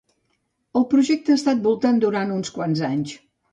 El projecte ha estat voltant durant uns quants anys.